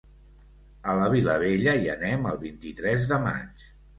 A la Vilavella hi anem el vint-i-tres de maig.